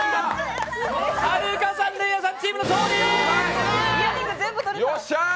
はるかさん・れいあさんチームの勝利！